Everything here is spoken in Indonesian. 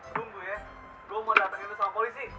tunggu ya gue mau datangin lo sama polisi